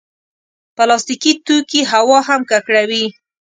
پلاستيکي توکي هوا هم ککړوي.